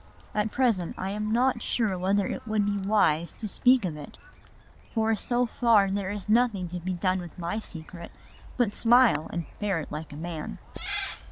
"At present I am not sure whether it would be wise to speak of it. For so far there is nothing to be done with my secret but smile and bear it like a man."